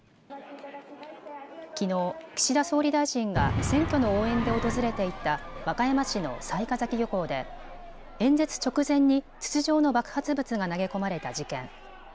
きのう、岸田総理大臣が選挙の応援で訪れていた和歌山市の雑賀崎漁港で演説直前に筒状の爆発物が投げ込まれた事件。